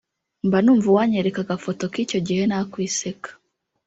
mba numva uwanyereka agafoto kicyo gihe nakwiseka